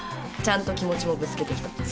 ちゃんと気持ちもぶつけてきた。